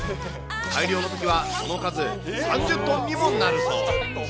大量のときは、その数３０トンにもなるそう。